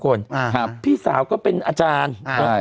ครับพี่สาวก็เป็นอาจารย์